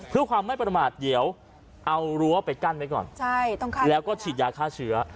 เพื่อความไม่ประมาทเดี๋ยวเอารั้วไปกั้นไว้ก่อนแล้วก็ฉีดยาฆ่าเชื้อ